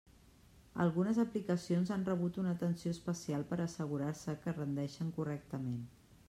Algunes aplicacions han rebut una atenció especial per assegurar-se que rendeixen correctament.